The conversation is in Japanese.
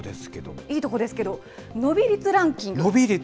いいとこですけど、伸び率ランキング。